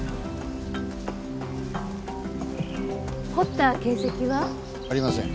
掘った形跡は？ありません。